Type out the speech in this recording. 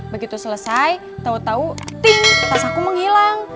begitu selesai tau tau tim tas aku menghilang